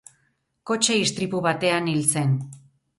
Kotxe istripu batean hil zen.